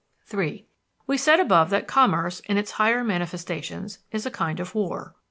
III We said above that commerce, in its higher manifestations, is a kind of war.